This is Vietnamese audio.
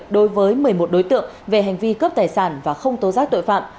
đối với một mươi một đối tượng về hành vi cướp tài sản và không tố giác tội phạm